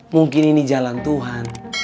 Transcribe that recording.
mungkin ini jalan tuhan